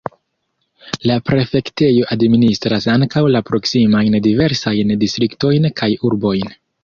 La prefektejo administras ankaŭ la proksimajn diversajn distriktojn kaj urbojn.